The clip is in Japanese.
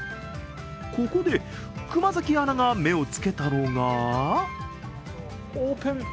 ここで熊崎アナが目をつけたのがオープン！